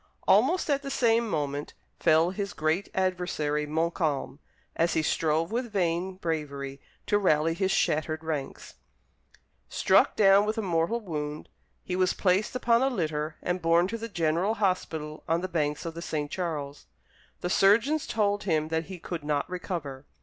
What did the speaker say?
Almost at the same moment fell his great adversary, Montcalm, as he strove with vain bravery to rally his shattered ranks. Struck down with a mortal wound, he was placed upon a litter and borne to the General Hospital on the banks of the St. Charles. The surgeons told him that he could not recover.